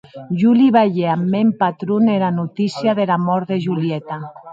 Jo li balhè ath mèn patron era notícia dera mòrt de Julieta.